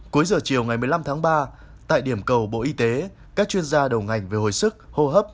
cuối giờ chiều ngày một mươi năm tháng ba tại điểm cầu bộ y tế các chuyên gia đầu ngành về hồi sức hô hấp